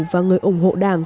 và người ủng hộ đảng